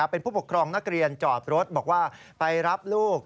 เป็นผู้ปกครองนักเรียนจอดรถบอกว่าไปรับลูก